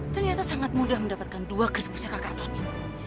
ternyata sangat mudah mendapatkan dua keris pusaka keratonnya